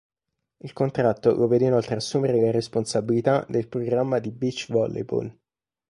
Il contratto lo vede inoltre assumere la responsabilità del programma di Beach Volleyball.